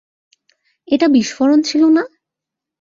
এটা বিস্ফোরণ ছিল না?